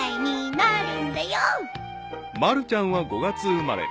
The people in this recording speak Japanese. ［まるちゃんは５月生まれ］